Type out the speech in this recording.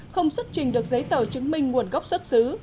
không xuất trình được giấy tờ chứng minh nguồn gốc xuất xứ